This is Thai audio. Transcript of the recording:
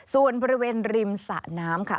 ส่วนบริเวณริมสะน้ำค่ะ